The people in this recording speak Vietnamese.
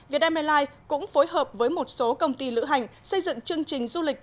việt nam airlines cũng phối hợp với một số công ty lữ hành xây dựng chương trình du lịch